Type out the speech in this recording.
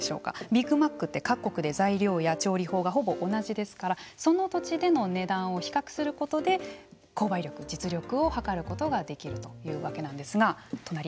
ビッグマックって各国で材料や調理法がほぼ同じですからその土地での値段を比較することで購買力実力を測ることができるというわけなんですが隣。